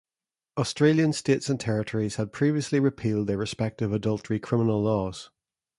Australian states and territories had previously repealed their respective adultery criminal laws.